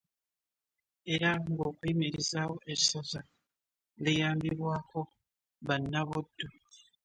Era ng'okuyimirizaawo essaza liyambibwako bannabuddu.